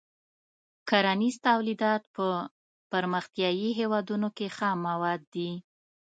کرنیز تولیدات په پرمختیايي هېوادونو کې خام مواد دي.